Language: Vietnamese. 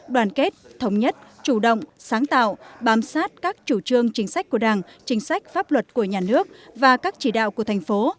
đoàn kết thống nhất chủ động sáng tạo bám sát các chủ trương chính sách của đảng chính sách pháp luật của nhà nước và các chỉ đạo của thành phố